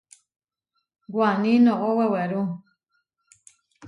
Waní noʼó wewerú.